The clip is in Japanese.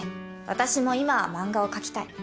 私も今は漫画をかきたい。